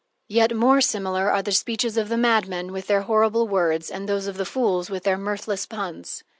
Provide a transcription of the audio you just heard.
Yet more similar are the speeches of the madmen with their horrible words, and those of fools with their mirthless puns.